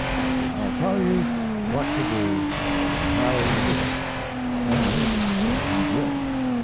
I'll tell you what to do and how to do it." And he did.